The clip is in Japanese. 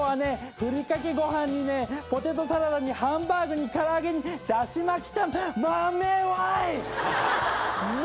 ふりかけご飯にねポテトサラダにハンバーグに唐揚げにだし巻き」豆わい！